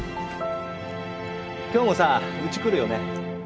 今日もさうち来るよね？